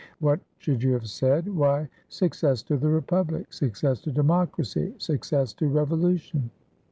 "What should you have said? Why, 'Success to the republic! Success to democracy! Success to revolu tion!'"